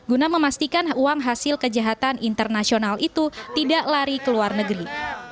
guna memastikan uang hasil kejahatan internasional itu tidak lari ke luar negeri